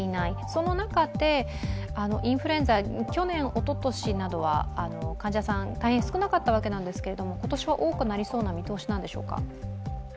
その中で、インフルエンザ去年、おととしなどは患者さん、大変少なかったわけなんですが今年は多くなりそうな見通しなんでしょうか。